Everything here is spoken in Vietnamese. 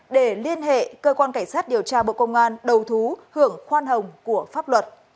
để liên hệ cơ quan cảnh sát điều tra bộ công an đầu thú hưởng khoan hồng của pháp luật